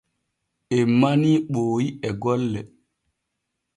En manii Ɓooyi e gollo.